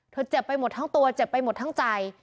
เจ็บไปหมดทั้งตัวเจ็บไปหมดทั้งใจ